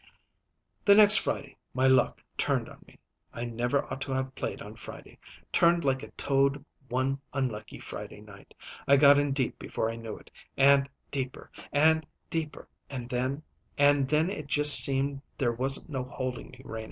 "The next Friday my luck turned on me I never ought to have played on Friday turned like a toad one unlucky Friday night. I got in deep before I knew it, and deeper and deeper; and then and then it just seemed there wasn't no holding me, Renie.